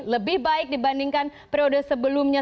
lebih baik dibandingkan periode sebelumnya